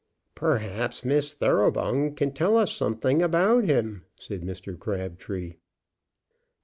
"Perhaps Miss Thoroughbung can tell us something about him?" said Mr. Crabtree.